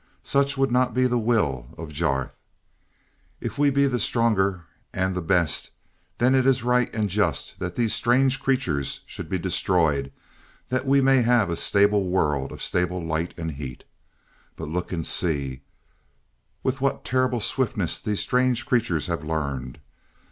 Such would not be the will of Jarth. If we be the stronger, and the best, then it is right and just that these strange creatures should be destroyed that we may have a stable world of stable light and heat. But look and see, with what terrible swiftness these strange creatures have learned!